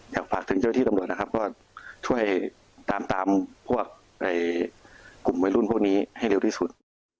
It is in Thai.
อยากฝากถึงเจ้าที่ตำรวจนะครับว่าช่วยตามตามพวกกลุ่มวัยรุ่นพวกนี้ให้เร็วที่สุด